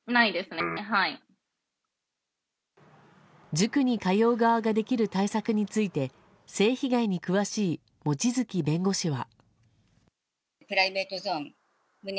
塾に通う側ができる対策について性被害に詳しい望月弁護士は。